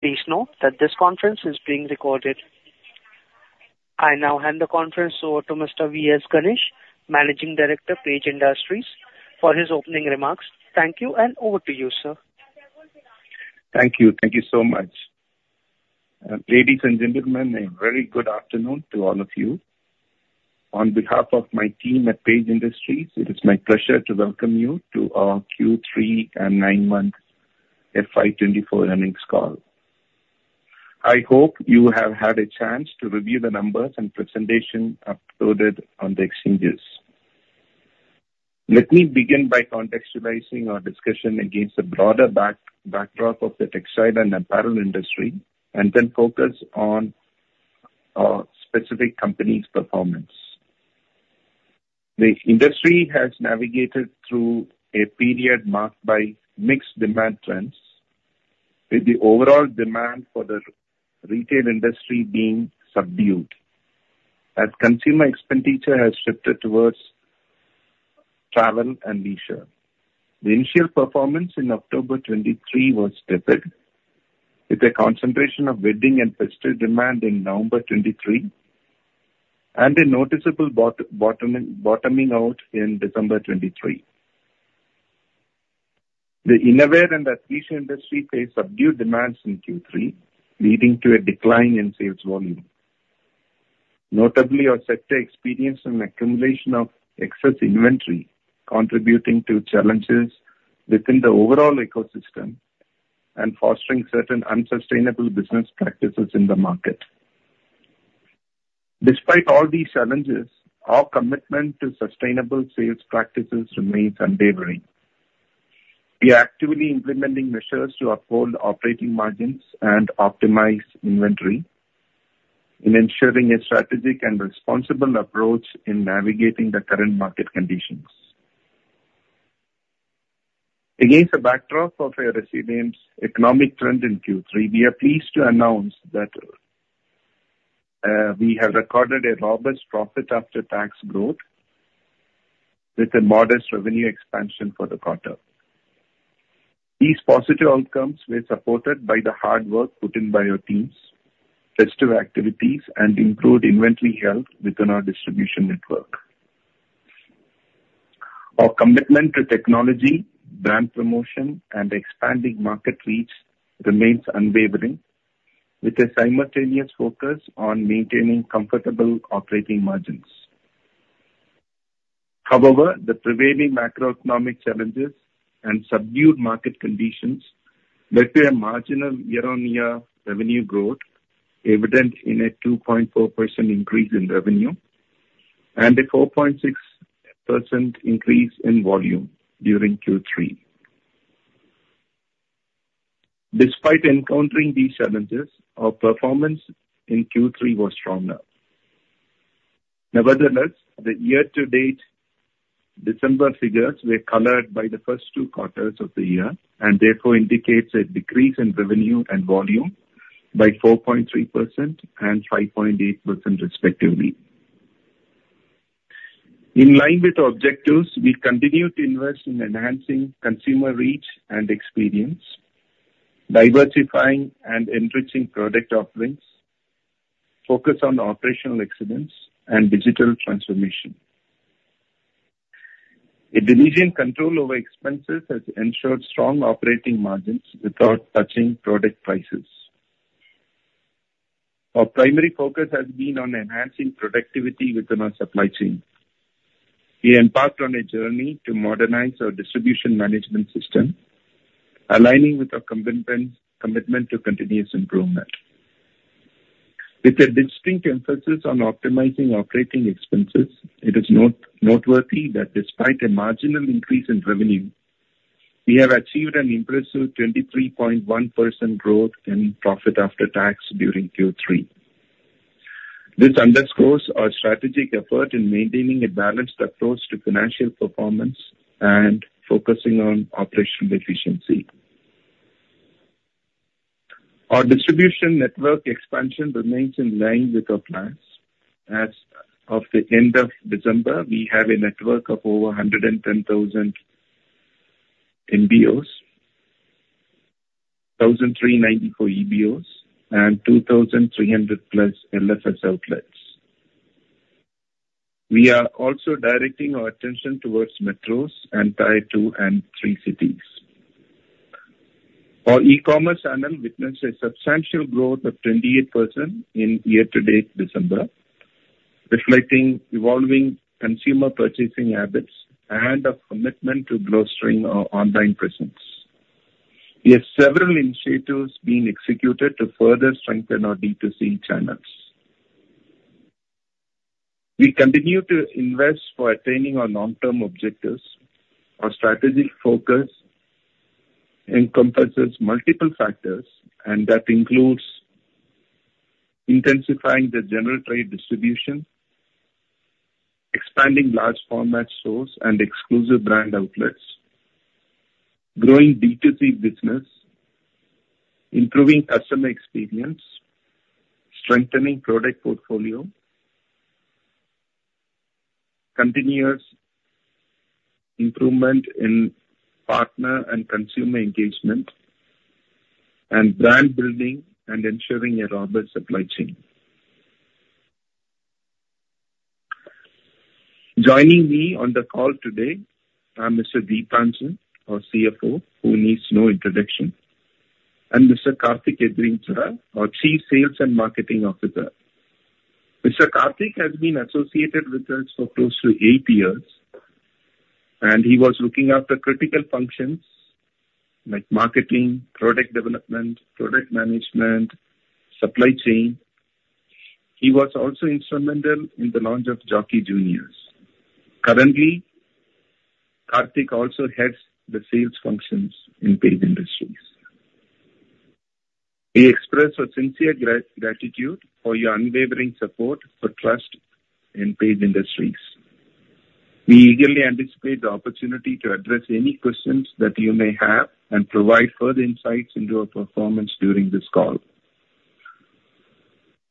Please note that this conference is being recorded. I now hand the conference over to Mr. V.S. Ganesh, Managing Director, Page Industries, for his opening remarks. Thank you, and over to you, sir. Thank you. Thank you so much. Ladies and gentlemen, a very good afternoon to all of you. On behalf of my team at Page Industries, it is my pleasure to welcome you to our Q3 and nine-month FY 2024 earnings call. I hope you have had a chance to review the numbers and presentation uploaded on the exchanges. Let me begin by contextualizing our discussion against the broader backdrop of the textile and apparel industry, and then focus on our specific company's performance. The industry has navigated through a period marked by mixed demand trends, with the overall demand for the retail industry being subdued, as consumer expenditure has shifted towards travel and leisure. The initial performance in October 2023 was tepid, with a concentration of wedding and festive demand in November 2023 and a noticeable bottoming out in December 2023. The innerwear and athleisure industry faced subdued demand in Q3, leading to a decline in sales volume. Notably, our sector experienced an accumulation of excess inventory, contributing to challenges within the overall ecosystem and fostering certain unsustainable business practices in the market. Despite all these challenges, our commitment to sustainable sales practices remains unwavering. We are actively implementing measures to uphold operating margins and optimize inventory in ensuring a strategic and responsible approach in navigating the current market conditions. Against the backdrop of a resilient economic trend in Q3, we are pleased to announce that, we have recorded a robust profit after tax growth with a modest revenue expansion for the quarter. These positive outcomes were supported by the hard work put in by our teams, festive activities, and improved inventory health within our distribution network. Our commitment to technology, brand promotion, and expanding market reach remains unwavering, with a simultaneous focus on maintaining comfortable operating margins. However, the prevailing macroeconomic challenges and subdued market conditions led to a marginal year-over-year revenue growth, evident in a 2.4% increase in revenue and a 4.6% increase in volume during Q3. Despite encountering these challenges, our performance in Q3 was stronger. Nevertheless, the year-to-date December figures were colored by the first two quarters of the year, and therefore indicates a decrease in revenue and volume by 4.3% and 5.8% respectively. In line with our objectives, we continue to invest in enhancing consumer reach and experience, diversifying and enriching product offerings, focus on operational excellence and digital transformation. A diligent control over expenses has ensured strong operating margins without touching product prices. Our primary focus has been on enhancing productivity within our supply chain. We embarked on a journey to modernize our distribution management system, aligning with our commitment to continuous improvement. With a distinct emphasis on optimizing operating expenses, it is noteworthy that despite a marginal increase in revenue, we have achieved an impressive 23.1% growth in profit after tax during Q3. This underscores our strategic effort in maintaining a balanced approach to financial performance and focusing on operational efficiency. Our distribution network expansion remains in line with our plans. As of the end of December, we have a network of over 110,000 MBOs, 1,394 EBOs, and 2,300+ LFS outlets. We are also directing our attention towards metros and Tier Two and Three cities. Our e-commerce channel witnessed a substantial growth of 28% in year-to-date December, reflecting evolving consumer purchasing habits and our commitment to bolstering our online presence. We have several initiatives being executed to further strengthen our D2C channels. We continue to invest for attaining our long-term objectives. Our strategic focus encompasses multiple factors, and that includes intensifying the general trade distribution, expanding large format stores and exclusive brand outlets, growing D2C business, improving customer experience, strengthening product portfolio, continuous improvement in partner and consumer engagement, and brand building and ensuring a robust supply chain. Joining me on the call today are Mr. Deepanjan, our CFO, who needs no introduction, and Mr. Karthik Yathindra, our Chief Sales and Marketing Officer. Mr. Karthik has been associated with us for close to eight years, and he was looking after critical functions like marketing, product development, product management, supply chain. He was also instrumental in the launch of Jockey Juniors. Currently, Karthik also heads the sales functions in Page Industries. We express our sincere gratitude for your unwavering support for trust in Page Industries. We eagerly anticipate the opportunity to address any questions that you may have and provide further insights into our performance during this call.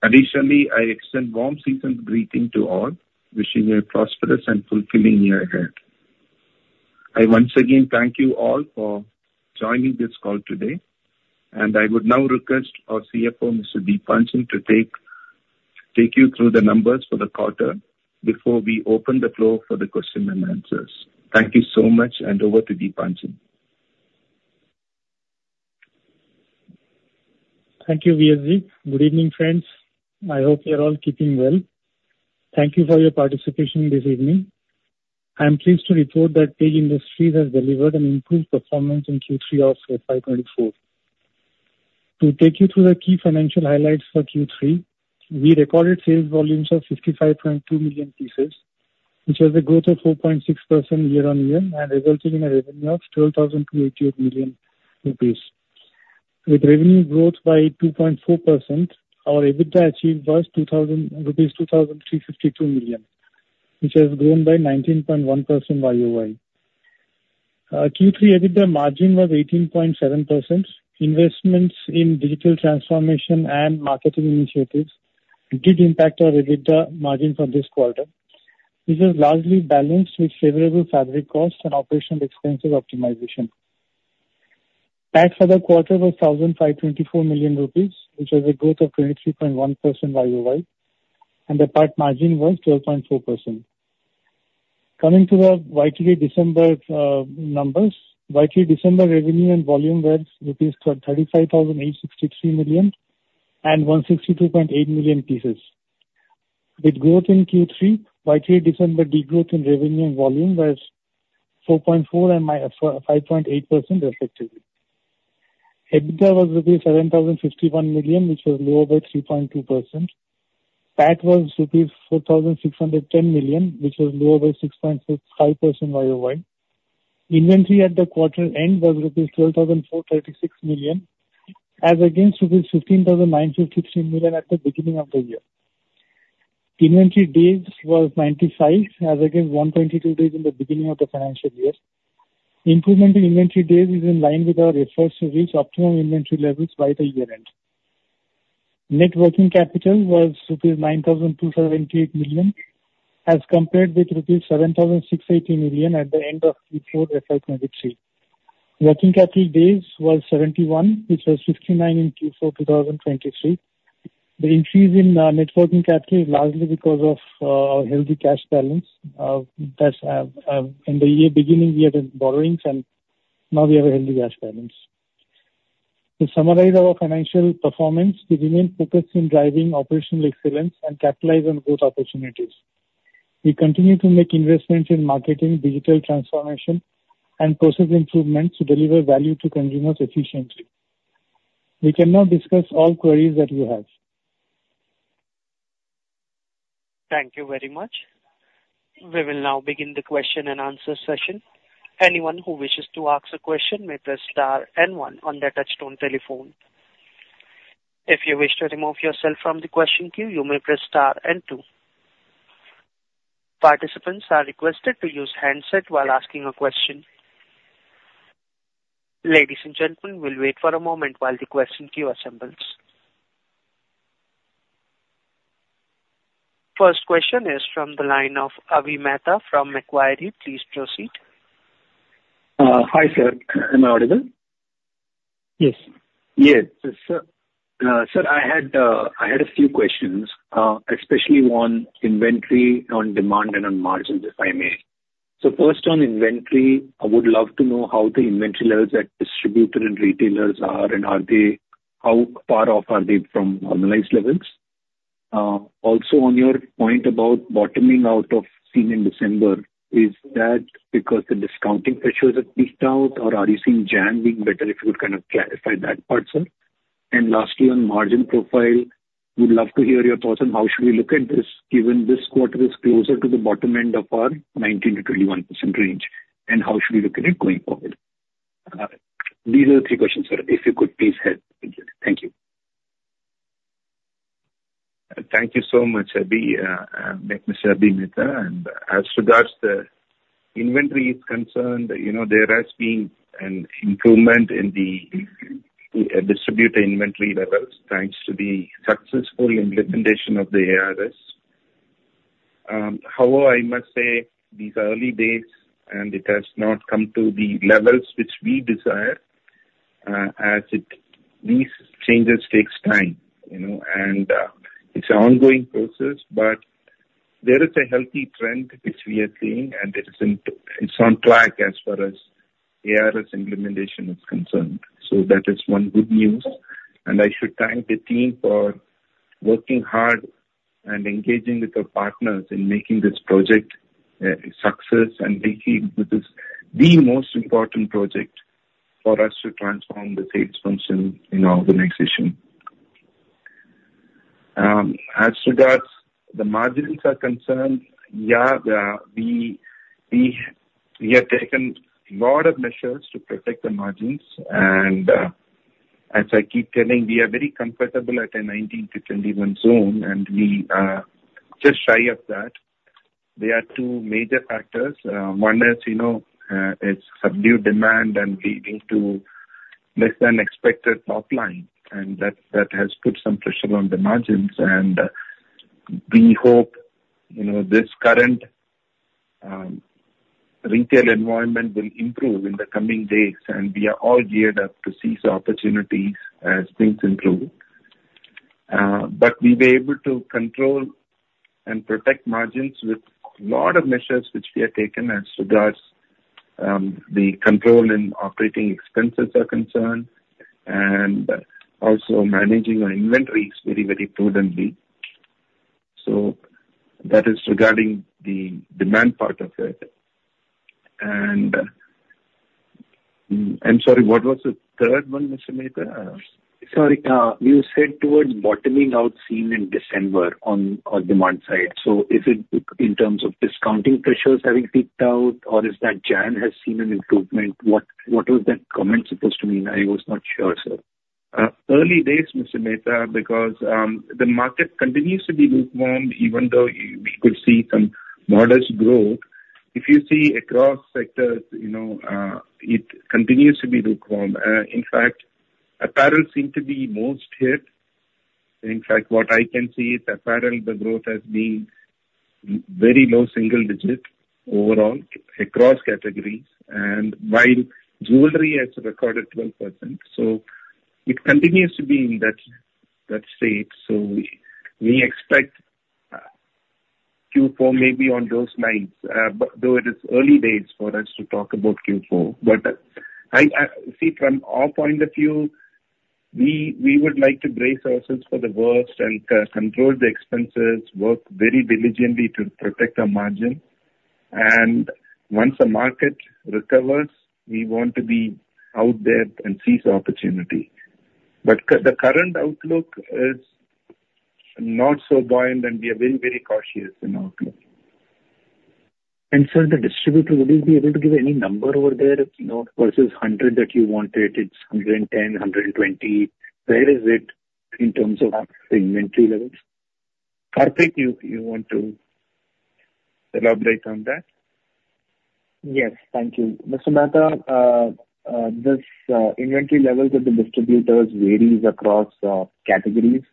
Additionally, I extend warm seasonal greeting to all, wishing you a prosperous and fulfilling year ahead. I once again thank you all for joining this call today, and I would now request our CFO, Mr. Deepanjan, to take you through the numbers for the quarter before we open the floor for the question and answers. Thank you so much, and over to Deepanjan. Thank you, V.S.. Good evening, friends. I hope you're all keeping well. Thank you for your participation this evening. I'm pleased to report that Page Industries has delivered an improved performance in Q3 of FY 2024. To take you through the key financial highlights for Q3, we recorded sales volumes of 55.2 million pieces, which has a growth of 4.6% year-on-year and resulted in a revenue of 12,288 million rupees. With revenue growth by 2.4%, our EBITDA achieved was 2,352 million rupees, which has grown by 19.1% YOY. Our Q3 EBITDA margin was 18.7%. Investments in digital transformation and marketing initiatives did impact our EBITDA margin for this quarter. This is largely balanced with favorable fabric costs and operational expenses optimization. PAT for the quarter was 1,524 million rupees, which has a growth of 23.1% YOY, and the PAT margin was 12.4%. Coming to the YTD December numbers, YTD December revenue and volume was rupees 35,863 million and 162.8 million pieces. With growth in Q3, YTD December degrowth in revenue and volume was 4.4% and 5.8% respectively. EBITDA was rupees 7,051 million, which was lower by 3.2%. PAT was rupees 4,610 million, which was lower by 6.65% YOY. Inventory at the quarter end was rupees 12,436 million, as against rupees 15,953 million at the beginning of the year. Inventory days was 95, as against 122 days in the beginning of the financial year. Improvement in inventory days is in line with our efforts to reach optimum inventory levels by the year end. Net working capital was INR 9,278 million, as compared with INR 7,680 million at the end of Q4 FY 2023. Working capital days was 71, which was 59 in Q4 2023. The increase in net working capital is largely because of healthy cash balance. That's in the year beginning, we had a borrowings, and now we have a healthy cash balance. To summarize our financial performance, we remain focused in driving operational excellence and capitalize on growth opportunities. We continue to make investments in marketing, digital transformation, and process improvements to deliver value to consumers efficiently. We can now discuss all queries that you have. Thank you very much. We will now begin the question and answer session. Anyone who wishes to ask a question may press star and one on their touch-tone telephone. If you wish to remove yourself from the question queue, you may press star and two. Participants are requested to use handset while asking a question. Ladies and gentlemen, we'll wait for a moment while the question queue assembles. First question is from the line of Avi Mehta from Macquarie. Please proceed. Hi, sir. Am I audible? Yes. Yes, sir. Sir, I had a few questions, especially on inventory, on demand and on margins, if I may. So first, on inventory, I would love to know how the inventory levels at distributor and retailers are, and are they... How far off are they from normalized levels? Also, on your point about bottoming out of seen in December, is that because the discounting pressures have peaked out, or are you seeing Jan being better, if you could kind of clarify that part, sir. And lastly, on margin profile, we'd love to hear your thoughts on how should we look at this, given this quarter is closer to the bottom end of our 19%-21% range, and how should we look at it going forward? These are the three questions, sir. If you could please help. Thank you. Thank you so much, Abhi, Mr. Abhi Mehta, and as regards the inventory is concerned, you know, there has been an improvement in the distributor inventory levels, thanks to the successful implementation of the ARS. However, I must say these are early days, and it has not come to the levels which we desire, as these changes takes time, you know, and it's an ongoing process, but there is a healthy trend which we are seeing, and it is on track as far as ARS implementation is concerned. So that is one good news. And I should thank the team for working hard and engaging with our partners in making this project a success and making this the most important project for us to transform the sales function in our organization. As to that, the margins are concerned, we have taken a lot of measures to protect the margins, and, as I keep telling, we are very comfortable at a 19-21 zone, and we are just shy of that. There are two major factors. One is, you know, is subdued demand and leading to less than expected top line, and that has put some pressure on the margins. We hope, you know, this current retail environment will improve in the coming days, and we are all geared up to seize the opportunities as things improve. But we were able to control and protect margins with a lot of measures which we have taken as regards the control and operating expenses are concerned, and also managing our inventories very, very prudently. That is regarding the demand part of it. I'm sorry, what was the third one, Mr. Mehta? Sorry, you said towards bottoming out seen in December on the demand side. So is it in terms of discounting pressures having peaked out, or is that January has seen an improvement? What was that comment supposed to mean? I was not sure, sir. Early days, Mr. Mehta, because the market continues to be lukewarm, even though we could see some modest growth. If you see across sectors, you know, it continues to be lukewarm. In fact, apparel seem to be most hit. In fact, what I can see is apparel, the growth has been very low single digit overall across categories, and while jewelry has recorded 12%, so it continues to be in that state. So we expect Q4 maybe on those lines, but though it is early days for us to talk about Q4. But I see from our point of view, we would like to brace ourselves for the worst and control the expenses, work very diligently to protect our margin, and once the market recovers, we want to be out there and seize the opportunity. But the current outlook is not so buoyant, and we are being very cautious in our outlook. The distributor, would you be able to give any number over there, you know, versus 100 that you wanted, it's 110, 120. Where is it in terms of the inventory levels? Karthik, you want to elaborate on that? Yes. Thank you. Mr. Mehta, this inventory levels of the distributors varies across categories.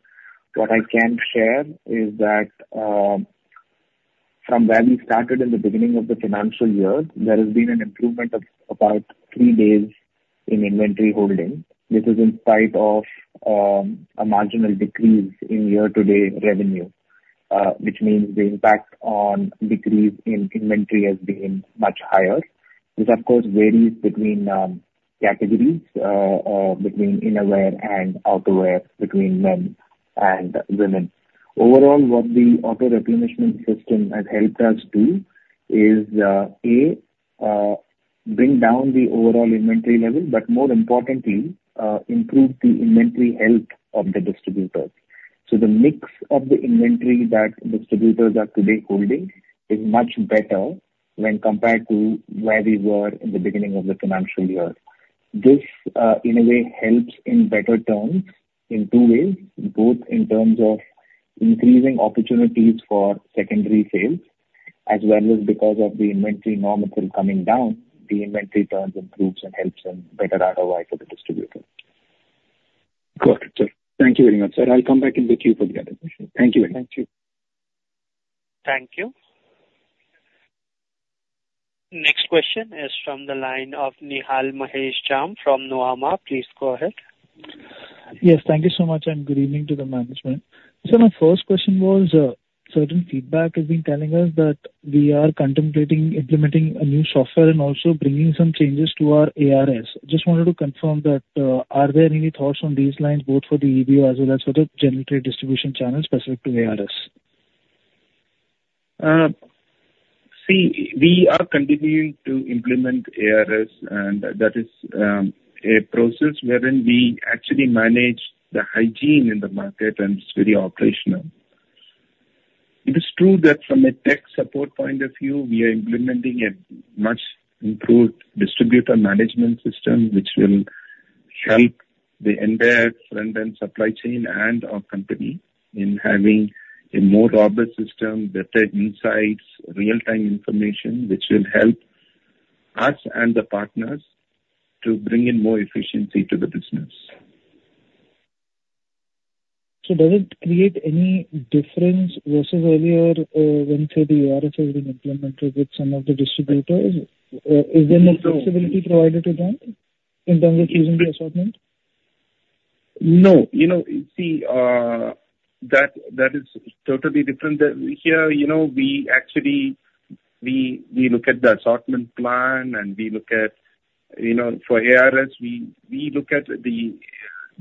What I can share is that, from where we started in the beginning of the financial year, there has been an improvement of about three days in inventory holding. This is in spite of a marginal decrease in year-to-date revenue, which means the impact on decrease in inventory has been much higher, which of course varies between categories, between innerwear and outerwear, between men and women. Overall, what the auto-replenishment system has helped us do is A, bring down the overall inventory level, but more importantly, improve the inventory health of the distributors. So the mix of the inventory that distributors are today holding is much better when compared to where we were in the beginning of the financial year. This in a way helps in better terms in two ways, both in terms of increasing opportunities for secondary sales as well as because of the inventory normal coming down, the inventory turns improves and helps in better ROI for the distributor. Got it, sir. Thank you very much, sir. I'll come back in the queue for the other question. Thank you very much. Thank you. Thank you. Next question is from the line of Nihal Mahesh Jham from Nuvama. Please go ahead. Yes, thank you so much, and good evening to the management. So my first question was, certain feedback has been telling us that we are contemplating implementing a new software and also bringing some changes to our ARS. Just wanted to confirm that, are there any thoughts on these lines, both for the EBO as well as for the general trade distribution channel specific to ARS? See, we are continuing to implement ARS, and that is a process wherein we actually manage the hygiene in the market, and it's very operational. It is true that from a tech support point of view, we are implementing a much improved distributor management system, which will help the entire front-end supply chain and our company in having a more robust system, better insights, real-time information, which will help us and the partners to bring in more efficiency to the business. Does it create any difference versus earlier, when, say, the ARS have been implemented with some of the distributors? Is there no flexibility provided to them in terms of using the assortment? No. You know, see, that is totally different. Here, you know, we actually look at the assortment plan, and we look at, you know, for ARS, we look at the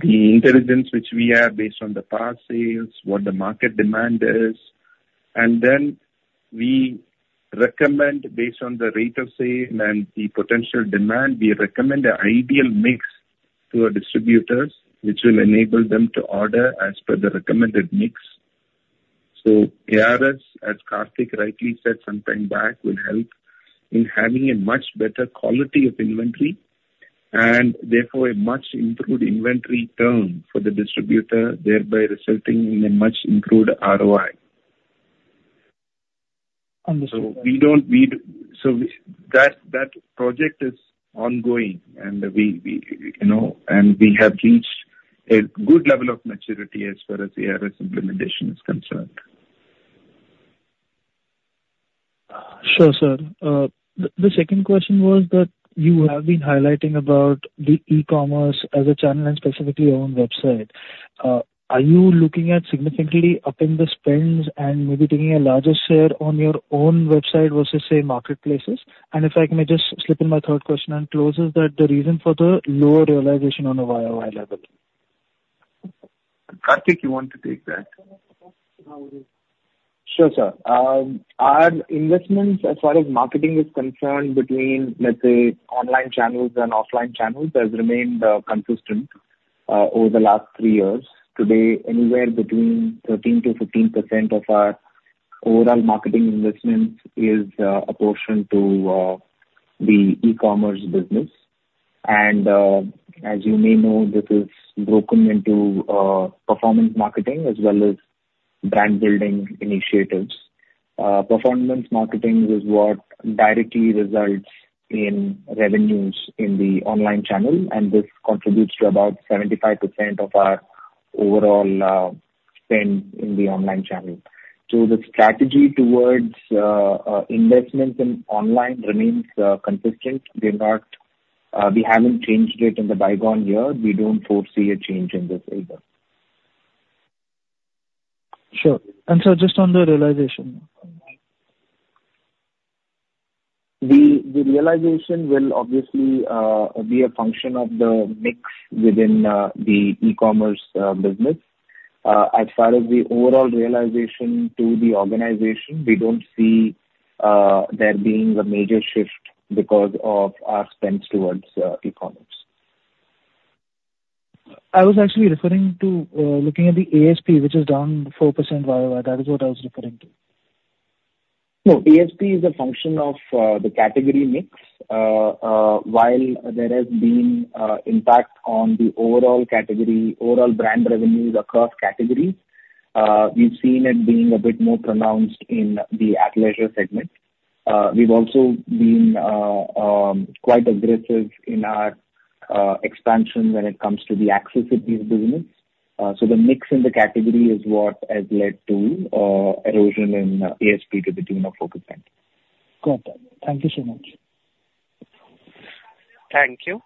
intelligence which we have based on the past sales, what the market demand is, and then we recommend based on the rate of sale and the potential demand, we recommend an ideal mix to our distributors, which will enable them to order as per the recommended mix. So ARS, as Karthik rightly said sometime back, will help in having a much better quality of inventory, and therefore a much improved inventory term for the distributor, thereby resulting in a much improved ROI. Understood. So that project is ongoing, and we, you know, and we have reached a good level of maturity as far as the ARS implementation is concerned. Sure, sir. The second question was that you have been highlighting about the e-commerce as a channel and specifically your own website. Are you looking at significantly upping the spends and maybe taking a larger share on your own website versus, say, marketplaces? And if I may just slip in my third question and close, is that the reason for the lower realization on a YOY level? Karthik, you want to take that? Sure, sir. Our investments as far as marketing is concerned, between, let's say, online channels and offline channels, has remained consistent over the last three years. Today, anywhere between 13%-15% of our overall marketing investments is a portion to the e-commerce business. As you may know, this is broken into performance marketing as well as brand-building initiatives. Performance marketing is what directly results in revenues in the online channel, and this contributes to about 75% of our overall spend in the online channel. So the strategy towards investments in online remains consistent. We haven't changed it in the bygone year. We don't foresee a change in this either. Sure. And so just on the realization. The realization will obviously be a function of the mix within the e-commerce business. As far as the overall realization to the organization, we don't see there being a major shift because of our spends towards e-commerce. I was actually referring to looking at the ASP, which is down 4% YOY. That is what I was referring to. No, ASP is a function of the category mix. While there has been impact on the overall category, overall brand revenues across categories, we've seen it being a bit more pronounced in the Athleisure segment. We've also been quite aggressive in our expansion when it comes to the access of these business. So the mix in the category is what has led to erosion in ASP to the tune of 4%. Got that. Thank you so much. Thank you.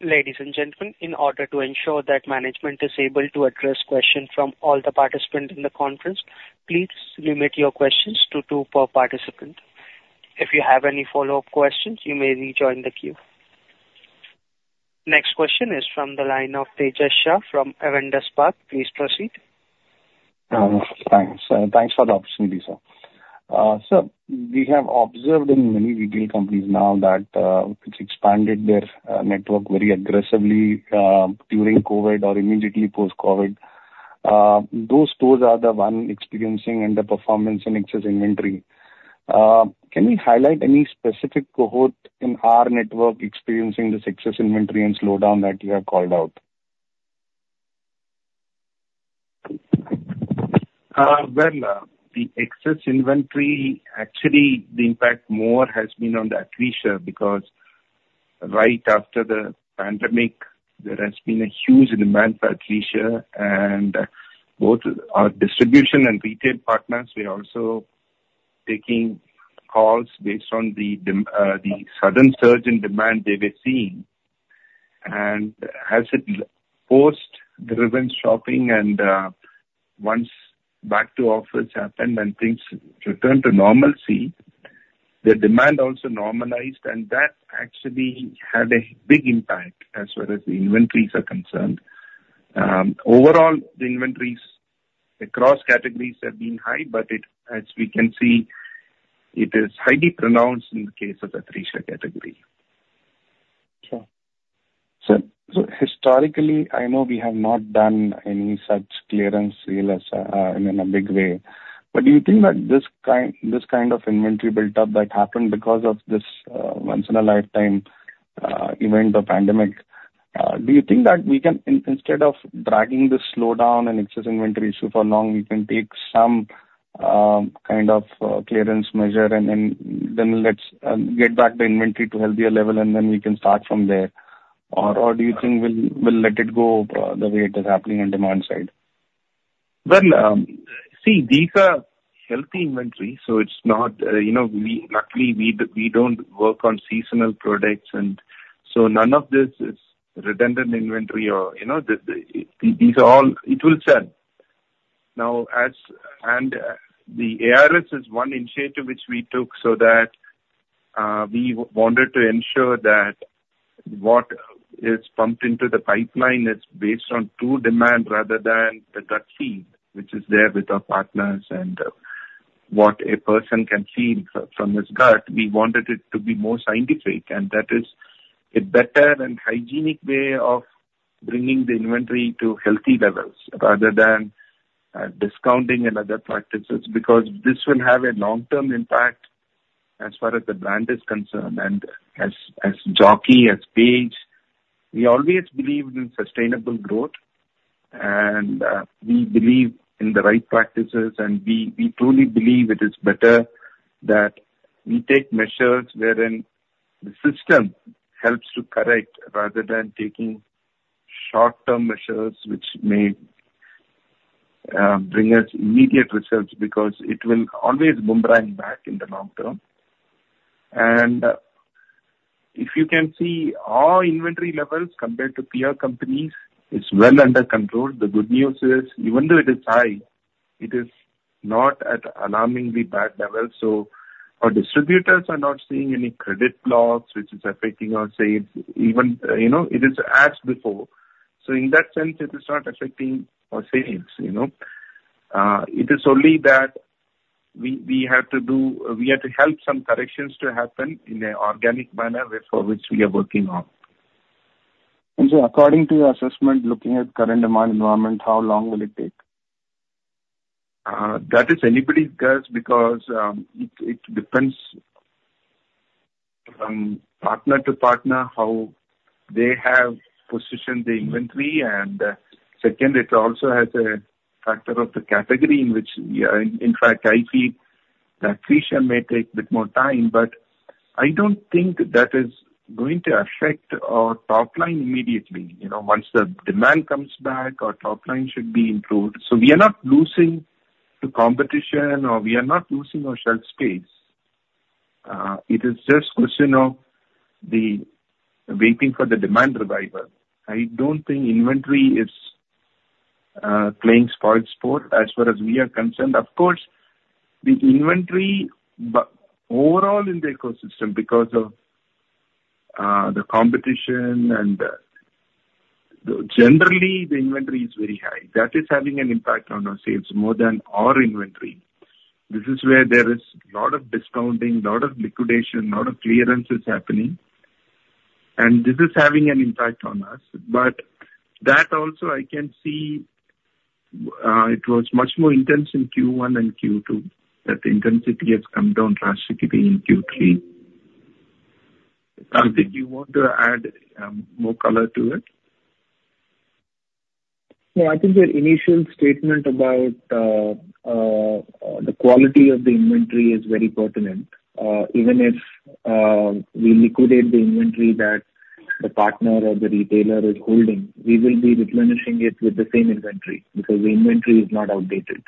Ladies and gentlemen, in order to ensure that management is able to address questions from all the participants in the conference, please limit your questions to two per participant. If you have any follow-up questions, you may rejoin the queue. Next question is from the line of Tejas Shah from Avendus Spark. Please proceed. Thanks. Thanks for the opportunity, sir. Sir, we have observed in many retail companies now that, which expanded their network very aggressively, during COVID or immediately post-COVID. Those stores are the one experiencing underperformance and excess inventory. Can you highlight any specific cohort in our network experiencing this excess inventory and slowdown that you have called out? Well, the excess inventory, actually, the impact more has been on the athleisure, because right after the pandemic, there has been a huge demand for athleisure, and both our distribution and retail partners were also taking calls based on the sudden surge in demand they were seeing. And as it post-driven shopping and, once back to office happened, when things returned to normalcy, the demand also normalized, and that actually had a big impact as far as the inventories are concerned. Overall, the inventories across categories have been high, but it, as we can see, it is highly pronounced in the case of athleisure category. Sure. Sir, so historically, I know we have not done any such clearance sale as in a big way. But do you think that this kind of inventory built up that happened because of this once-in-a-lifetime event, the pandemic, do you think that we can, instead of dragging this slowdown and excess inventory super long, we can take some kind of clearance measure, and then then let's get back the inventory to healthier level, and then we can start from there? Or, or do you think we'll, we'll let it go the way it is happening in demand side? Well, see, these are healthy inventory, so it's not, you know, we luckily we, we don't work on seasonal products, and so none of this is redundant inventory or, you know, the, the, these are all... It will sell. Now, as-- and the ARS is one initiative which we took so that, we wanted to ensure that what is pumped into the pipeline is based on true demand, rather than the gut feel which is there with our partners and what a person can feel from his gut. We wanted it to be more scientific, and that is a better and hygienic way of bringing the inventory to healthy levels, rather than, discounting and other practices, because this will have a long-term impact as far as the brand is concerned. As Jockey, as Page, we always believed in sustainable growth, and we believe in the right practices, and we truly believe it is better that we take measures wherein the system helps to correct, rather than taking short-term measures which may bring us immediate results, because it will always boomerang back in the long term. If you can see, our inventory levels compared to peer companies is well under control. The good news is, even though it is high, it is not at alarmingly bad levels. So our distributors are not seeing any credit blocks which is affecting our sales. Even, you know, it is as before. So in that sense, it is not affecting our sales, you know. It is only that we have to help some corrections to happen in an organic manner, for which we are working on. According to your assessment, looking at current demand environment, how long will it take? That is anybody's guess, because it depends from partner to partner, how they have positioned the inventory. And second, it also has a factor of the category in which. In fact, I see that TRESemmé may take a bit more time, but I don't think that is going to affect our top line immediately. You know, once the demand comes back, our top line should be improved. So we are not losing to competition, or we are not losing our shelf space. It is just question of the waiting for the demand revival. I don't think inventory is playing spoilsport as far as we are concerned. Of course, the inventory, but overall in the ecosystem, because of the competition and generally, the inventory is very high. That is having an impact on our sales more than our inventory. This is where there is a lot of discounting, lot of liquidation, lot of clearance is happening, and this is having an impact on us. But that also, I can see, it was much more intense in Q1 and Q2, that the intensity has come down drastically in Q3. Karthik, do you want to add more color to it? No, I think your initial statement about the quality of the inventory is very pertinent. Even if we liquidate the inventory that the partner or the retailer is holding, we will be replenishing it with the same inventory, because the inventory is not outdated.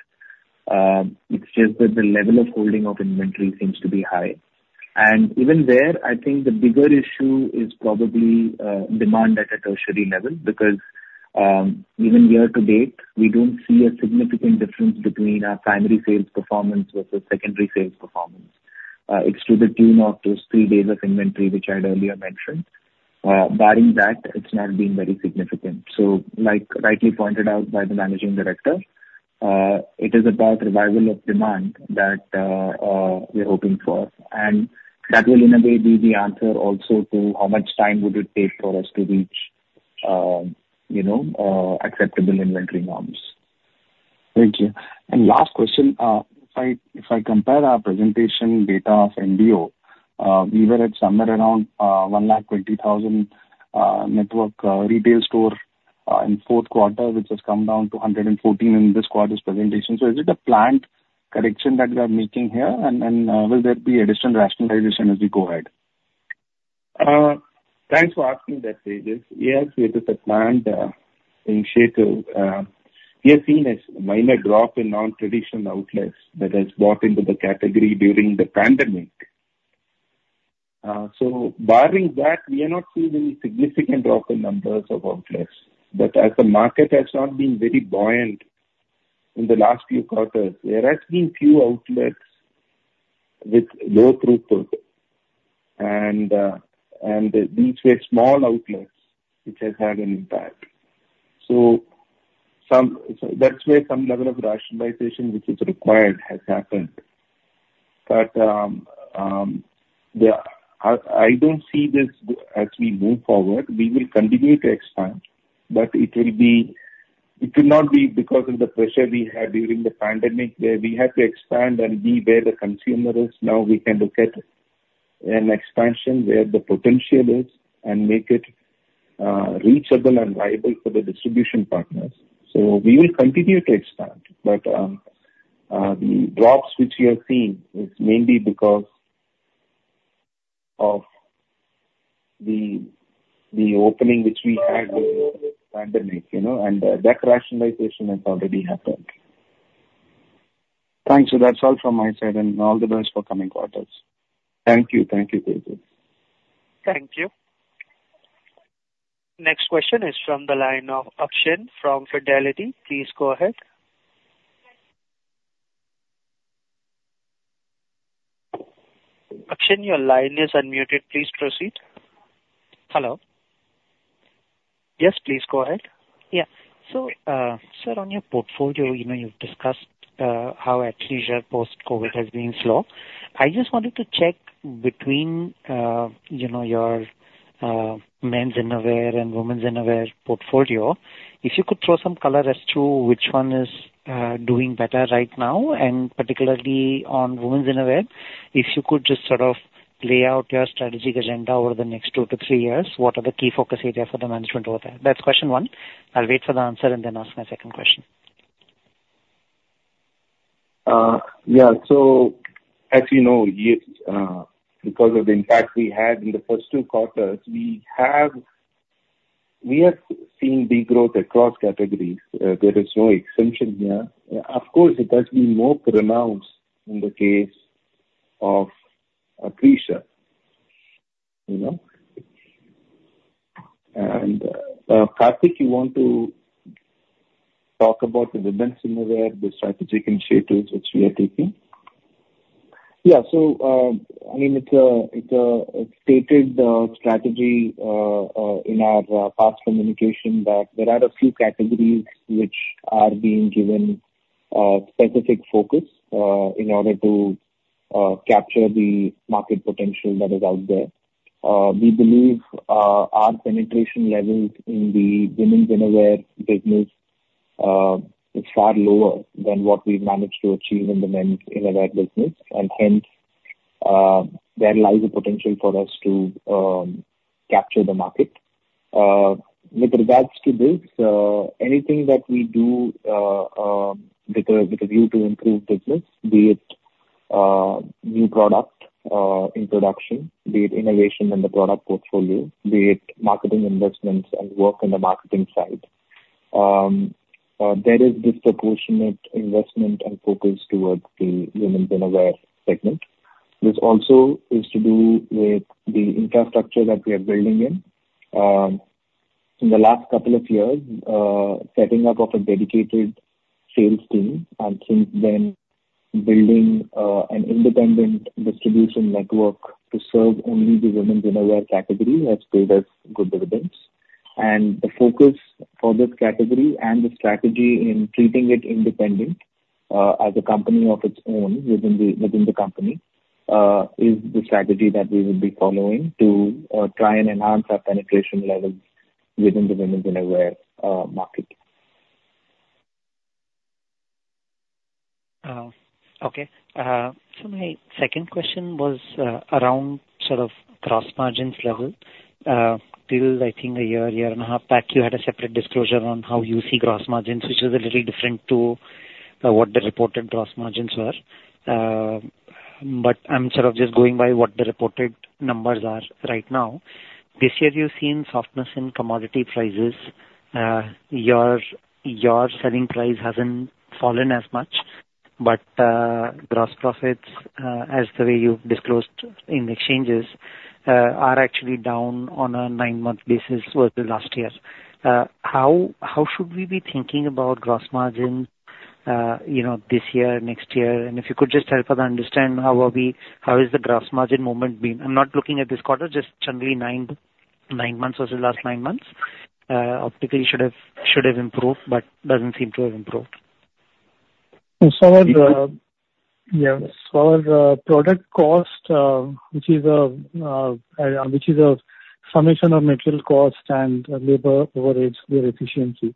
It's just that the level of holding of inventory seems to be high. And even there, I think the bigger issue is probably demand at a tertiary level, because even year-to-date, we don't see a significant difference between our primary sales performance versus secondary sales performance, exclusive of those three days of inventory, which I had earlier mentioned. Barring that, it's not been very significant. So like, rightly pointed out by the Managing Director, it is about revival of demand that we're hoping for. That will in a way be the answer also to how much time would it take for us to reach, you know, acceptable inventory norms. Thank you. Last question: if I compare our presentation data of MBO, we were at somewhere around 120,000 network retail store in fourth quarter, which has come down to 114 in this quarter's presentation. So is it a planned correction that we are making here? And will there be additional rationalization as we go ahead? Thanks for asking that, Rajesh. Yes, it is a planned initiative. We have seen a minor drop in non-traditional outlets that has bought into the category during the pandemic. So barring that, we are not seeing any significant drop in numbers of outlets. But as the market has not been very buoyant in the last few quarters, there has been few outlets with low throughput, and these were small outlets, which has had an impact. So that's where some level of rationalization which is required has happened.... But I don't see this as we move forward. We will continue to expand, but it will be. It will not be because of the pressure we had during the pandemic, where we had to expand and be where the consumer is. Now we can look at an expansion where the potential is and make it reachable and viable for the distribution partners. So we will continue to expand, but the drops which you are seeing is mainly because of the opening which we had with the pandemic, you know, and that rationalization has already happened. Thanks. That's all from my side, and all the best for coming quarters. Thank you. Thank you, Prajit. Thank you. Next question is from the line of Akshin from Fidelity. Please go ahead. Akshin, your line is unmuted. Please proceed. Hello. Yes, please go ahead. Yeah. So, sir, on your portfolio, you know, you've discussed how Athleisure post-COVID has been slow. I just wanted to check between, you know, your, men's innerwear and women's innerwear portfolio, if you could throw some color as to which one is doing better right now, and particularly on women's innerwear, if you could just sort of lay out your strategic agenda over the next 2-3 years, what are the key focus areas for the management over there? That's question 1. I'll wait for the answer and then ask my second question. Yeah. So as you know, because of the impact we had in the first two quarters, we have... We are seeing degrowth across categories. There is no exemption here. Of course, it has been more pronounced in the case of Athleisure, you know? And, Karthik, you want to talk about the women's innerwear, the strategic initiatives which we are taking? Yeah. So, I mean, it's a stated strategy in our past communication that there are a few categories which are being given specific focus in order to capture the market potential that is out there. We believe our penetration levels in the women's innerwear business is far lower than what we've managed to achieve in the men's innerwear business, and hence, there lies a potential for us to capture the market. With regards to this, anything that we do with a view to improve business, be it new product introduction, be it innovation in the product portfolio, be it marketing investments and work on the marketing side, there is disproportionate investment and focus towards the women's innerwear segment. This also is to do with the infrastructure that we are building in. In the last couple of years, setting up of a dedicated sales team, and since then, building an independent distribution network to serve only the women's Innerwear category has paid us good dividends. The focus for this category and the strategy in treating it independent, as a company of its own within the company, is the strategy that we will be following to try and enhance our penetration levels within the women's Innerwear market. Okay. So my second question was around sort of gross margins level. Till, I think, a year and a half back, you had a separate disclosure on how you see gross margins, which is a little different to what the reported gross margins were. But I'm sort of just going by what the reported numbers are right now. This year you've seen softness in commodity prices. Your selling price hasn't fallen as much, but gross profits, as the way you've disclosed in exchanges, are actually down on a nine-month basis over the last year. How should we be thinking about gross margins, you know, this year, next year? And if you could just help us understand, how is the gross margin movement been? I'm not looking at this quarter, just generally nine, nine months versus last nine months. Optically should have, should have improved, but doesn't seem to have improved. So our product cost, which is a summation of material cost and labor over its, their efficiency.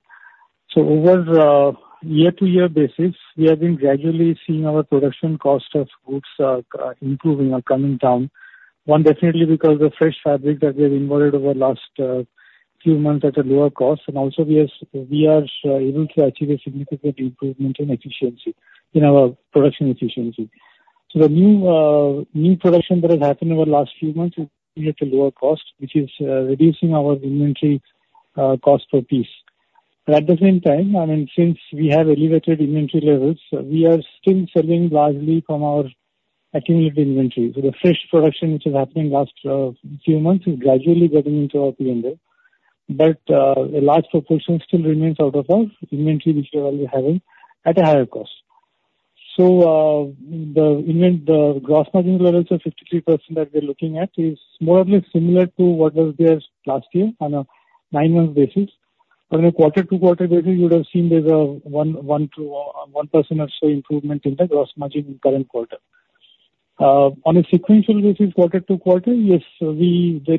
So over the year-to-year basis, we have been gradually seeing our production cost of goods improving or coming down. One, definitely because of fresh fabric that we have involved over the last few months at a lower cost, and also we are able to achieve a significant improvement in efficiency, in our production efficiency. So the new production that has happened over the last few months is at a lower cost, which is reducing our inventory cost per piece. But at the same time, I mean, since we have elevated inventory levels, we are still selling largely from our accumulated inventory. So the fresh production, which is happening last few months, is gradually getting into our P&L. But a large proportion still remains out of our inventory, which we are already having at a higher cost. So the gross margin levels of 53% that we're looking at is more or less similar to what was there last year on a nine-month basis. But in a quarter-to-quarter basis, you would have seen there's a 1%-1% or so improvement in the gross margin in current quarter. On a sequential basis, quarter to quarter, yes, there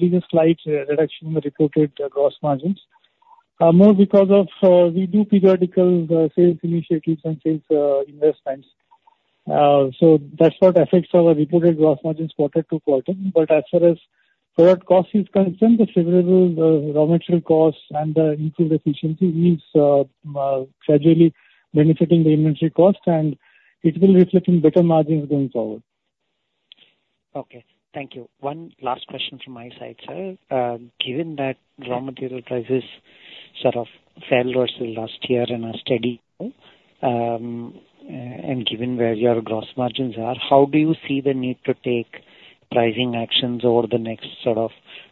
is a slight reduction in the reported gross margins more because of we do periodical sales initiatives and sales investments. So that's what affects our reported gross margins quarter to quarter. But as far as product cost is concerned, the favorable raw material cost and the improved efficiency is gradually benefiting the inventory cost, and it will reflect in better margins going forward. Okay, thank you. One last question from my side, sir. Given that raw material prices sort of fell towards the last year and are steady, and given where your gross margins are, how do you see the need to take pricing actions over the next sort of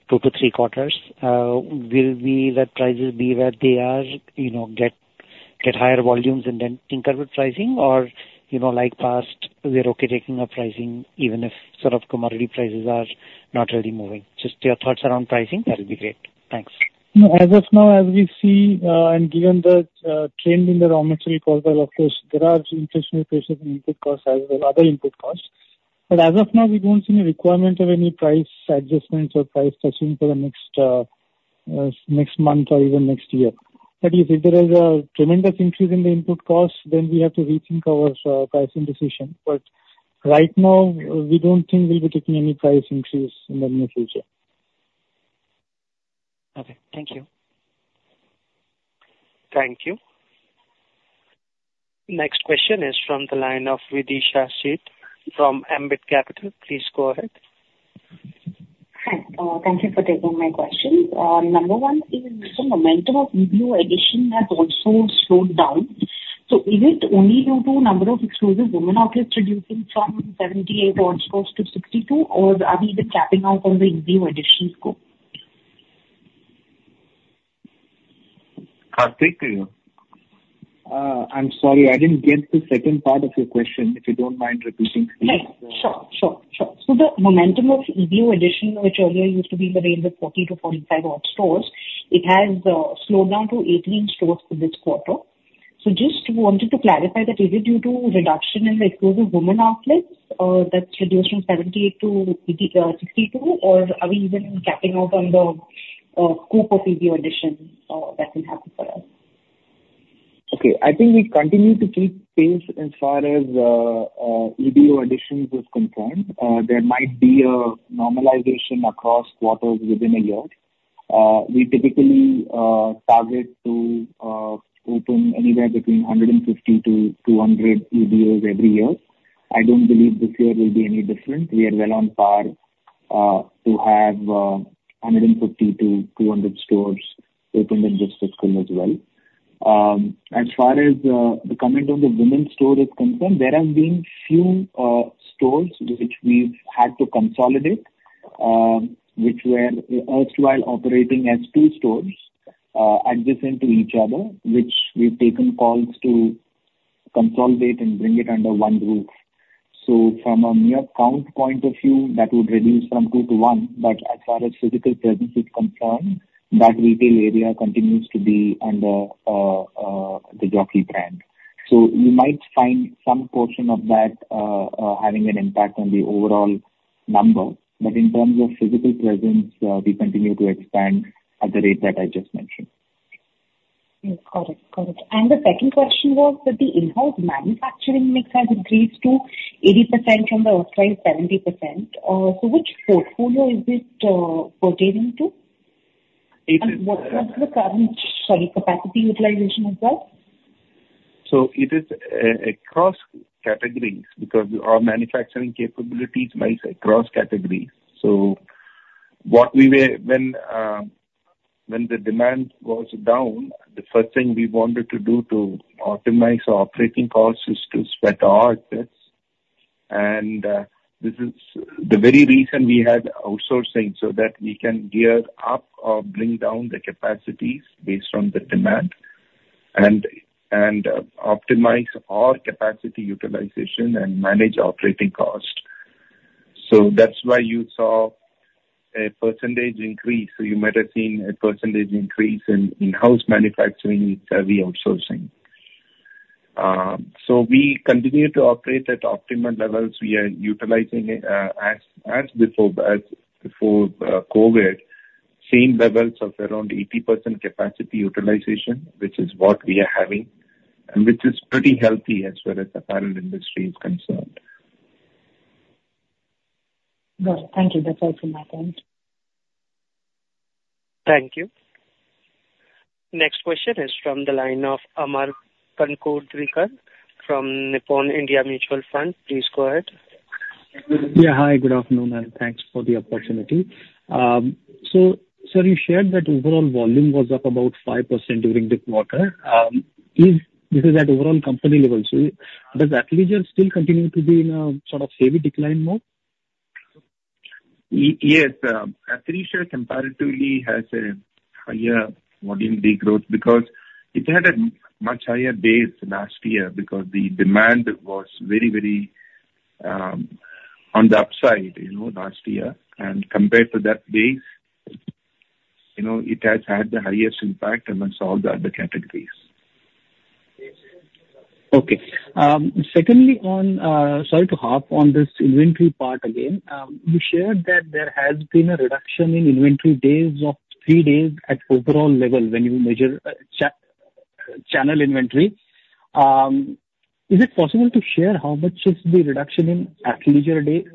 two to three quarters? Will be, let prices be where they are, you know, get higher volumes and then tinker with pricing? Or, you know, like past, we are okay taking a pricing, even if sort of commodity prices are not really moving. Just your thoughts around pricing, that'll be great. Thanks. As of now, as we see, and given the trend in the raw material cost, well, of course, there are inflationary pressures in input costs as well other input costs. But as of now, we don't see any requirement of any price adjustments or price testing for the next month or even next year. But if there is a tremendous increase in the input costs, then we have to rethink our pricing decision. But right now, we don't think we'll be taking any price increase in the near future. Okay, thank you. Thank you. Next question is from the line of Videesha Sheth from Ambit Capital. Please go ahead. Hi, thank you for taking my question. Number one is the momentum of EBO addition has also slowed down. So is it only due to number of exclusive women outlets reducing from 78 odd stores to 62, or are we even capping out on the EBO additions scope? Karthik to you. I'm sorry, I didn't get the second part of your question. If you don't mind repeating, please. Sure, sure, sure. So the momentum of EBO addition, which earlier used to be in the range of 40-45 odd stores, it has slowed down to 18 stores for this quarter. So just wanted to clarify that is it due to reduction in the exclusive women outlets, or that's reducing 70 to 62, or are we even capping out on the scope of EBO addition that can happen for us? Okay. I think we continue to keep pace as far as EBO additions is concerned. There might be a normalization across quarters within a year. We typically target to open anywhere between 150-200 EBOs every year. I don't believe this year will be any different. We are well on par to have 150-200 stores opened in this fiscal as well. As far as the comment on the women's store is concerned, there have been few stores which we've had to consolidate, which were erstwhile operating as two stores adjacent to each other, which we've taken calls to consolidate and bring it under one roof. So from a mere count point of view, that would reduce from two to one, but as far as physical presence is concerned, that retail area continues to be under the Jockey brand. So you might find some portion of that having an impact on the overall number. But in terms of physical presence, we continue to expand at the rate that I just mentioned. Yes. Got it. Got it. And the second question was that the in-house manufacturing mix has increased to 80% from the authorized 70%. So which portfolio is it pertaining to? It is- What was the current, sorry, capacity utilization as well? So it is across categories, because our manufacturing capabilities lies across categories. So what we were when the demand was down, the first thing we wanted to do to optimize our operating costs is to spread our assets. And this is the very reason we had outsourcing, so that we can gear up or bring down the capacities based on the demand, and optimize our capacity utilization and manage operating cost. So that's why you saw a percentage increase. So you might have seen a percentage increase in in-house manufacturing instead of outsourcing. So we continue to operate at optimal levels. We are utilizing it as before as before COVID, same levels of around 80% capacity utilization, which is what we are having, and which is pretty healthy as far as apparel industry is concerned. Got it. Thank you. That's all from my end. Thank you. Next question is from the line of Amar Kalkundrikar from Nippon India Mutual Fund. Please go ahead. Yeah. Hi, good afternoon, and thanks for the opportunity. So, sir, you shared that overall volume was up about 5% during this quarter. Is this at overall company level, so does Athleisure still continue to be in a sort of heavy decline mode? Yes, Athleisure comparatively has a higher volume degrowth because it had a much higher base last year, because the demand was very, very-... on the upside, you know, last year, and compared to that base, you know, it has had the highest impact among all the other categories. Okay. Secondly, on, sorry to harp on this inventory part again. You shared that there has been a reduction in inventory days of 3 days at overall level when you measure, channel inventory. Is it possible to share how much is the reduction in athleisure day,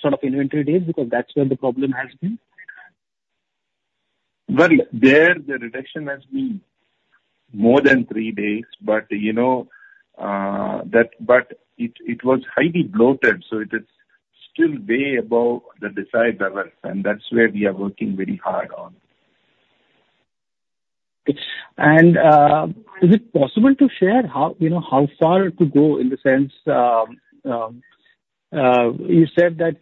sort of inventory days? Because that's where the problem has been. Well, there, the reduction has been more than three days, but, you know, but it, it was highly bloated, so it is still way above the desired levels, and that's where we are working very hard on. Is it possible to share how, you know, how far to go in the sense, you said that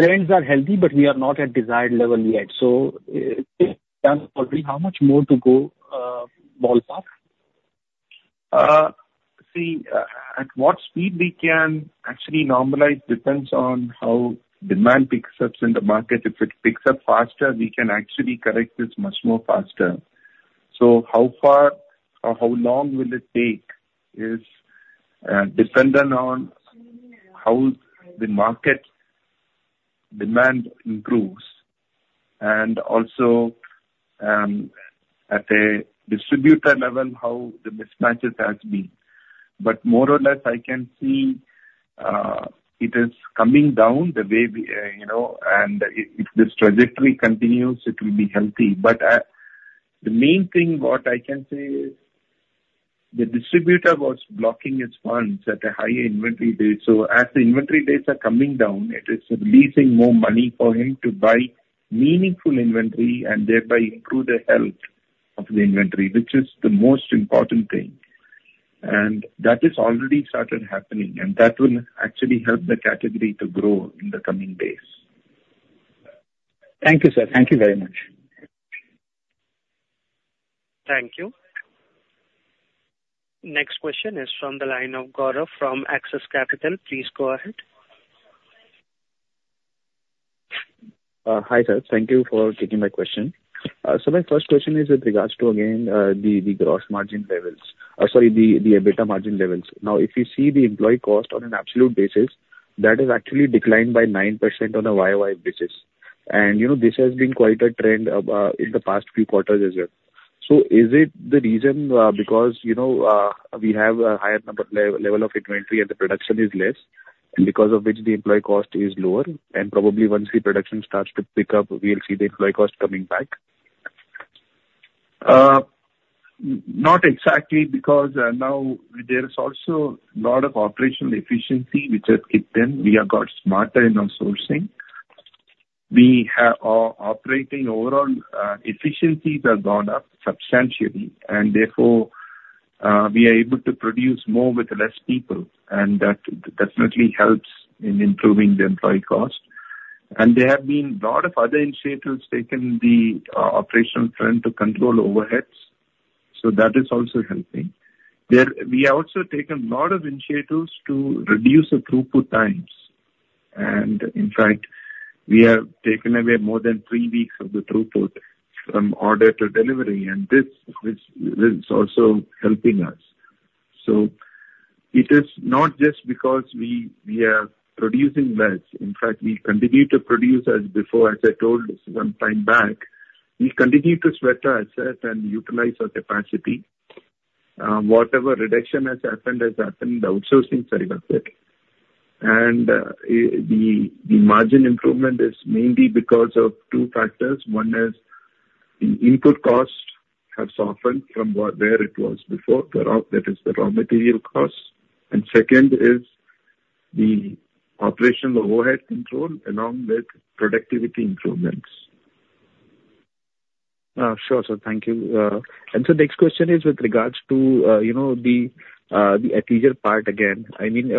trends are healthy, but we are not at desired level yet. So it is done already. How much more to go, ballpark? See, at what speed we can actually normalize depends on how demand picks up in the market. If it picks up faster, we can actually correct this much more faster. So how far or how long will it take is dependent on how the market demand improves, and also, at a distributor level, how the mismatches has been. But more or less, I can see, it is coming down the way we, you know, and if this trajectory continues, it will be healthy. But, the main thing, what I can say is, the distributor was blocking his funds at a higher inventory day. So as the inventory days are coming down, it is releasing more money for him to buy meaningful inventory and thereby improve the health of the inventory, which is the most important thing. That is already started happening, and that will actually help the category to grow in the coming days. Thank you, sir. Thank you very much. Thank you. Next question is from the line of Gaurav from Axis Capital. Please go ahead. Hi, sir. Thank you for taking my question. So my first question is with regards to, again, the gross margin levels. Sorry, the EBITDA margin levels. Now, if you see the employee cost on an absolute basis, that has actually declined by 9% on a YOY basis. And, you know, this has been quite a trend in the past few quarters as well. So is it the reason because, you know, we have a higher number level of inventory and the production is less, and because of which the employee cost is lower, and probably once the production starts to pick up, we'll see the employee cost coming back? Not exactly, because now there is also a lot of operational efficiency which has kicked in. We have got smarter in our sourcing. We have our operating overall efficiencies have gone up substantially, and therefore we are able to produce more with less people, and that definitely helps in improving the employee cost. And there have been a lot of other initiatives taken, the operational trend to control overheads, so that is also helping. We have also taken a lot of initiatives to reduce the throughput times, and in fact, we have taken away more than three weeks of the throughput from order to delivery, and this is also helping us. So it is not just because we are producing less. In fact, we continue to produce as before. As I told some time back, we continue to sweat our assets and utilize our capacity. Whatever reduction has happened has happened, the outsourcing very well. The margin improvement is mainly because of two factors. One is the input costs have softened from where it was before. The raw, that is, the raw material costs. And second is the operational overhead control along with productivity improvements. Sure, sir. Thank you. And so the next question is with regards to, you know, the athleisure part again. I mean,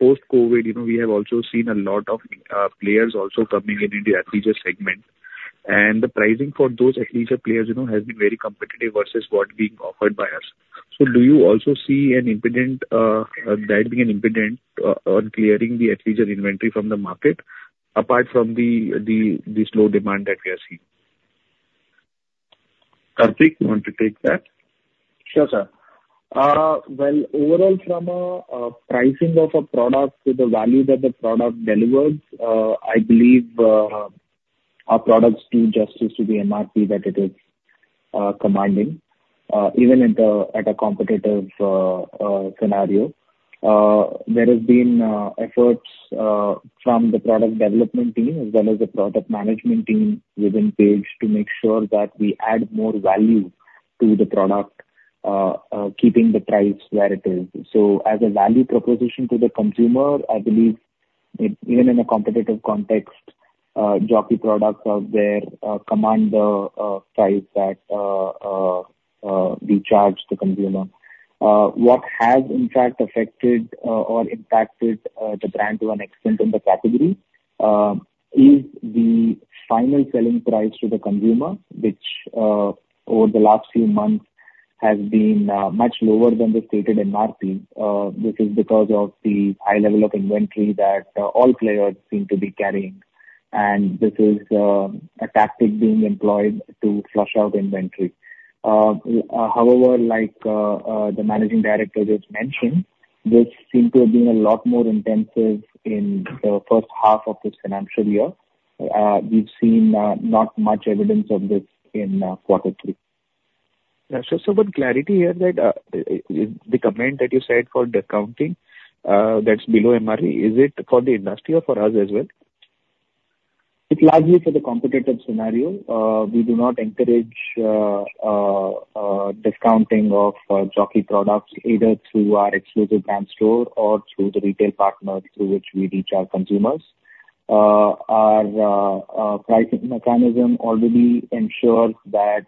post-COVID, you know, we have also seen a lot of players also coming into the athleisure segment. And the pricing for those athleisure players, you know, has been very competitive versus what being offered by us. So do you also see an impediment, that being an impediment on clearing the athleisure inventory from the market, apart from the slow demand that we are seeing? Karthik, you want to take that? Sure, sir. Well, overall, from a pricing of a product to the value that the product delivers, I believe our products do justice to the MRP that it is commanding, even at a competitive scenario. There has been efforts from the product development team as well as the product management team within Page to make sure that we add more value to the product, keeping the price where it is. So as a value proposition to the consumer, I believe even in a competitive context, Jockey products are there command the price that we charge the consumer. What has in fact affected or impacted the brand to an extent in the category is the final selling price to the consumer, which over the last few months has been much lower than the stated MRP. This is because of the high level of inventory that all players seem to be carrying, and this is a tactic being employed to flush out inventory. However, like the Managing Director just mentioned, this seem to have been a lot more intensive in the first half of this financial year. We've seen not much evidence of this in quarter three. Yeah, sure, sir. But clarity here that the comment that you said for discounting, that's below MRP, is it for the industry or for us as well? It's largely for the competitive scenario. We do not encourage discounting of Jockey products either through our exclusive brand store or through the retail partners through which we reach our consumers. Our pricing mechanism already ensures that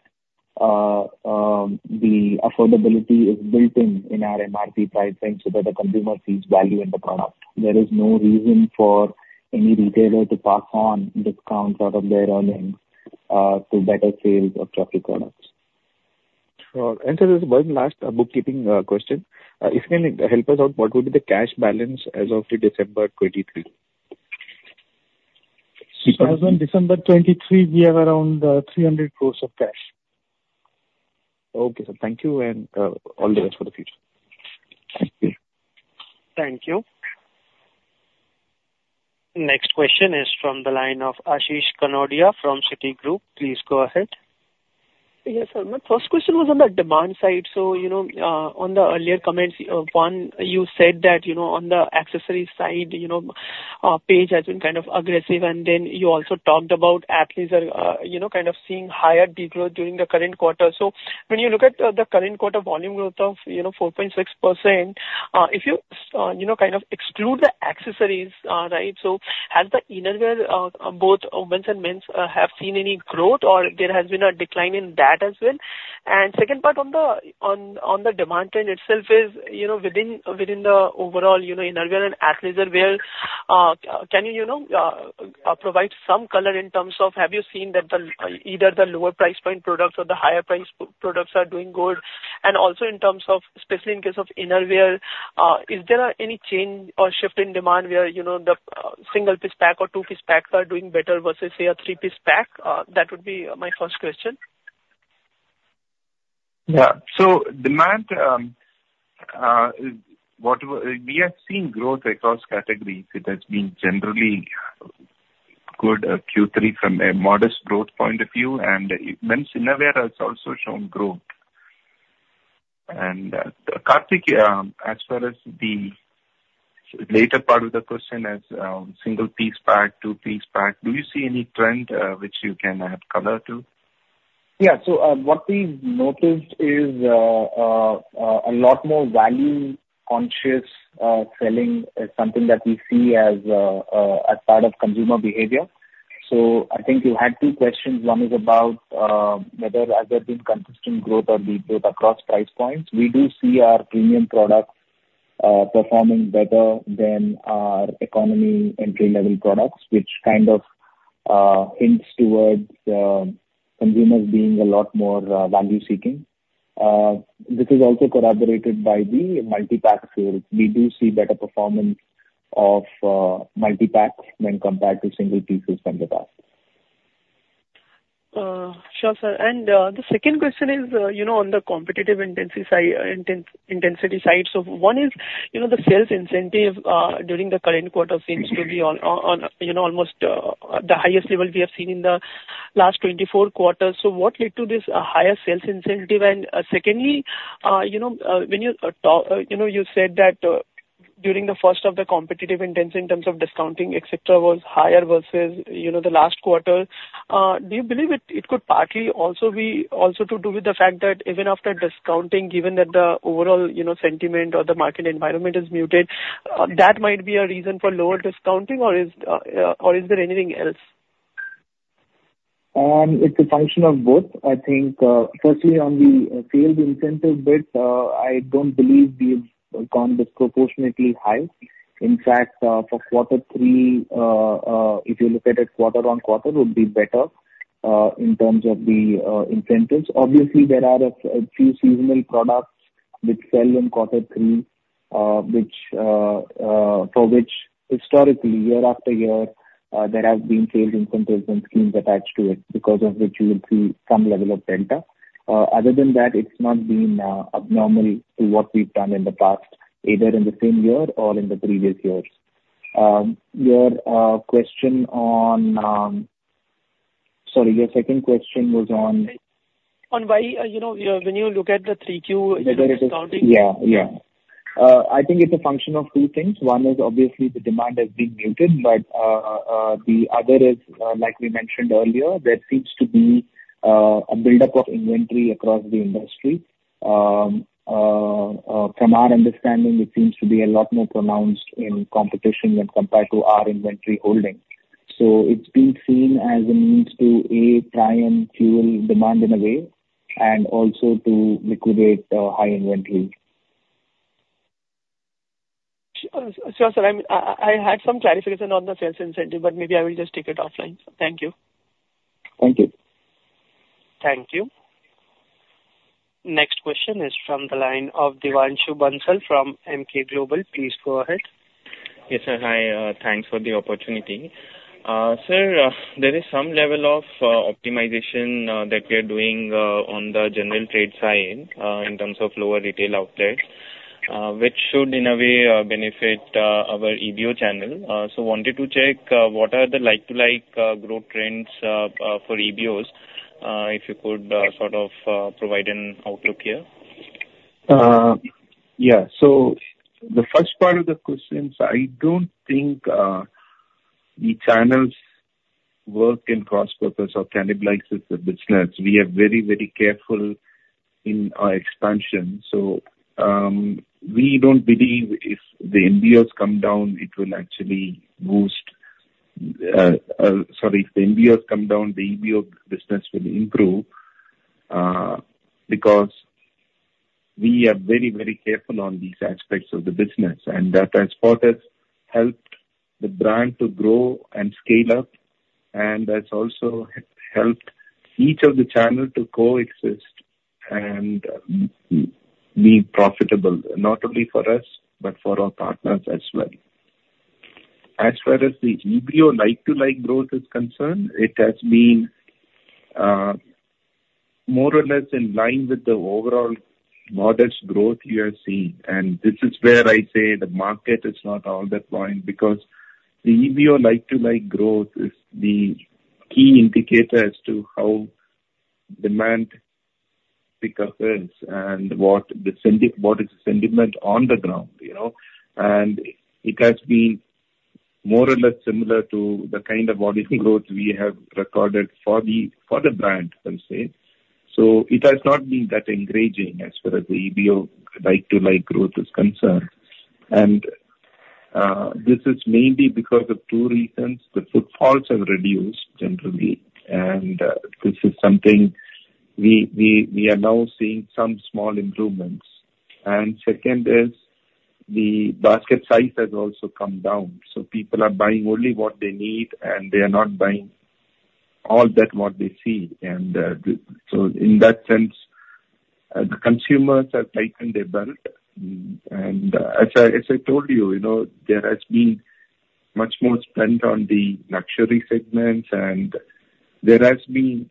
the affordability is built in in our MRP pricing, so that the consumer sees value in the product. There is no reason for any retailer to pass on discounts out of their earnings to better sales of Jockey products. Sure. And so there's one last bookkeeping question. If you can help us out, what would be the cash balance as of December 2023? As on December 2023, we have around 300 crores of cash. Okay, sir. Thank you, and all the best for the future. Thank you. Thank you. Next question is from the line of Ashish Kanodia from Citigroup. Please go ahead. Yes, sir. My first question was on the demand side. So, you know, on the earlier comments, one, you said that, you know, on the accessories side, you know, Page has been kind of aggressive, and then you also talked about athletes are, you know, kind of seeing higher decline during the current quarter. So when you look at the current quarter volume growth of, you know, 4.6%, if you, you know, kind of exclude the accessories, right, so has the innerwear, both women's and men's, have seen any growth, or there has been a decline in that as well? And second part on the demand trend itself is, you know, within the overall, you know, innerwear and athleisure wear, can you, you know, provide some color in terms of have you seen that the, either the lower price point products or the higher price products are doing good? And also in terms of, especially in case of innerwear, is there are any change or shift in demand where, you know, the, single-piece pack or two-piece packs are doing better versus, say, a three-piece pack? That would be my first question. Yeah. So demand. We have seen growth across categories. It has been generally good, Q3 from a modest growth point of view, and men's innerwear has also shown growth. And, Karthik, as far as the later part of the question as, single-piece pack, two-piece pack, do you see any trend, which you can add color to? Yeah. So, what we've noticed is, a lot more value-conscious selling is something that we see as, as part of consumer behavior. So I think you had two questions. One is about, whether has there been consistent growth or decline across price points. We do see our premium products, performing better than our economy entry-level products, which kind of, hints towards, consumers being a lot more, value seeking. This is also corroborated by the multi-pack sales. We do see better performance of multi-packs when compared to single pieces from the past. Sure, sir. And the second question is, you know, on the competitive intensity side, intensity side. So one is, you know, the sales incentive during the current quarter seems to be on, you know, almost the highest level we have seen in the last 24 quarters. So what led to this higher sales incentive? And secondly, you know, when you talk, you know, you said that during the first of the competitive intensity in terms of discounting, et cetera, was higher versus, you know, the last quarter. Do you believe it could partly also be to do with the fact that even after discounting, given that the overall, you know, sentiment or the market environment is muted, that might be a reason for lower discounting? Or is there anything else? It's a function of both. I think, firstly, on the sales incentive bit, I don't believe we've gone disproportionately high. In fact, for quarter three, if you look at it, quarter on quarter would be better in terms of the incentives. Obviously, there are a few seasonal products which sell in quarter three, which for which historically, year after year, there have been sales incentives and schemes attached to it, because of which you will see some level of delta. Other than that, it's not been abnormal to what we've done in the past, either in the same year or in the previous years. Your question on... Sorry, your second question was on? On why, you know, when you look at the 3Q, you know, discounting. Yeah, yeah. I think it's a function of two things. One is obviously the demand has been muted, but the other is, like we mentioned earlier, there seems to be a buildup of inventory across the industry. From our understanding, it seems to be a lot more pronounced in competition when compared to our inventory holdings. So it's been seen as a means to, A, try and fuel demand in a way, and also to liquidate high inventories.... Sure, sir. I'm, I had some clarification on the sales incentive, but maybe I will just take it offline. Thank you. Thank you. Thank you. Next question is from the line of Devanshu Bansal from Emkay Global. Please go ahead. Yes, sir. Hi, thanks for the opportunity. Sir, there is some level of optimization that we are doing on the general trade side in terms of lower retail outlets, which should, in a way, benefit our EBO channel. So wanted to check what are the like-for-like growth trends for EBOs? If you could sort of provide an outlook here. Yeah. So the first part of the question, I don't think the channels work in cross purposes or cannibalizes the business. We are very, very careful in our expansion, so we don't believe if the MBOs come down, it will actually boost. Sorry, if the MBOs come down, the EBO business will improve, because we are very, very careful on these aspects of the business. And that has further helped the brand to grow and scale up, and that's also helped each of the channel to coexist and be profitable, not only for us, but for our partners as well. As far as the EBO like-for-like growth is concerned, it has been more or less in line with the overall modest growth we are seeing. This is where I say the market is not all that fine, because the EBO like-for-like growth is the key indicator as to how demand pick up is, and what the sentiment on the ground is, you know? It has been more or less similar to the kind of modest growth we have recorded for the brand, per se. So it has not been that engaging as far as the EBO like-for-like growth is concerned. This is mainly because of two reasons. The footfalls have reduced generally, and this is something we are now seeing some small improvements. Second is, the basket size has also come down, so people are buying only what they need, and they are not buying all that what they see. So in that sense, the consumers have tightened their belt. As I told you, you know, there has been much more spent on the luxury segments, and there has been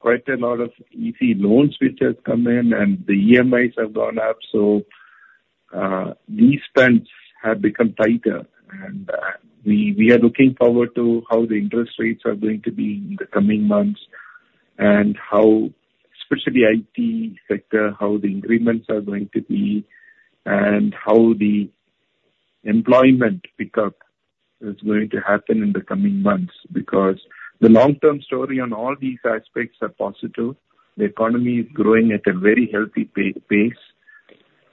quite a lot of easy loans which has come in, and the EMIs have gone up. So, these spends have become tighter, and, we are looking forward to how the interest rates are going to be in the coming months, and how, especially IT sector, how the increments are going to be, and how the employment pickup is going to happen in the coming months. Because the long-term story on all these aspects are positive. The economy is growing at a very healthy pace.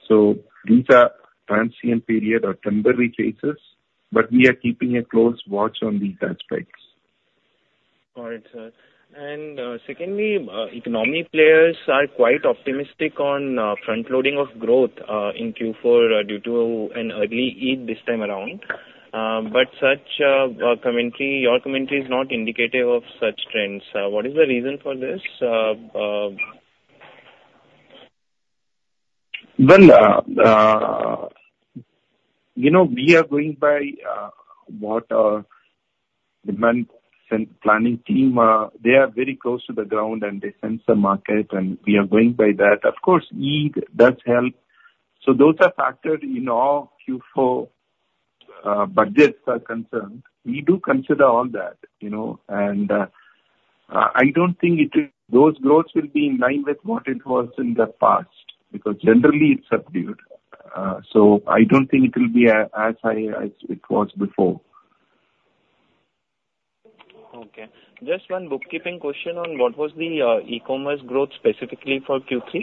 So these are transient period or temporary phases, but we are keeping a close watch on these aspects. All right, sir. Secondly, economy players are quite optimistic on front loading of growth in Q4 due to an early Eid this time around. But such commentary, your commentary, is not indicative of such trends. What is the reason for this? Well, you know, we are going by what our demand planning team, they are very close to the ground, and they sense the market, and we are going by that. Of course, Eid does help. So those are factored in all Q4 budgets are concerned. We do consider all that, you know, and I don't think it will... Those growths will be in line with what it was in the past, because generally it's subdued. So I don't think it will be as high as it was before. Okay. Just one bookkeeping question on what was the e-commerce growth specifically for Q3?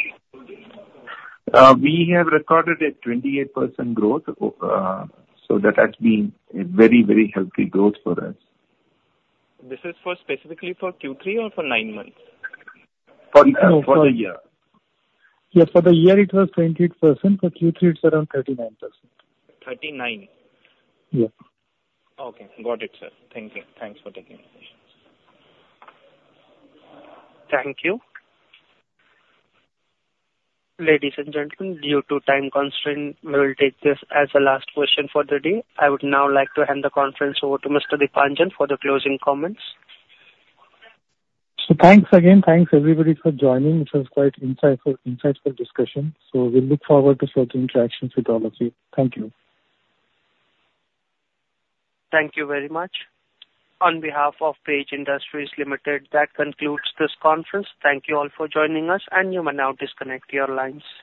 We have recorded a 28% growth. So that has been a very, very healthy growth for us. This is for specifically for Q3 or for nine months? For the year. Yes, for the year it was 28%. For Q3, it's around 39%. Thirty-nine? Yeah. Okay, got it, sir. Thank you. Thanks for taking my questions. Thank you. Ladies and gentlemen, due to time constraint, we will take this as the last question for the day. I would now like to hand the conference over to Mr. Deepanjan for the closing comments. Thanks again. Thanks everybody for joining. This was quite insightful, insightful discussion, so we look forward to further interactions with all of you. Thank you. Thank you very much. On behalf of Page Industries Limited, that concludes this conference. Thank you all for joining us, and you may now disconnect your lines.